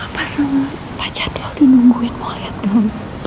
apa sama pacar di nungguin mau lihat kamu